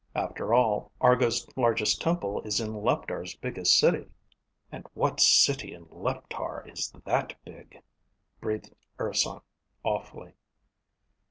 After all, Argo's largest temple is in Leptar's biggest city." "And what city in Leptar is that big?" breathed Urson, awfully.